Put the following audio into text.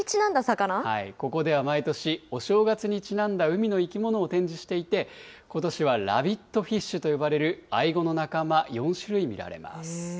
ここでは毎年、お正月にちなんだ海の生き物を展示していて、ことしはラビットフィッシュと呼ばれるアイゴの仲間４種類が見られます。